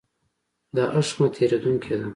دا هښمه تېرېدونکې ده.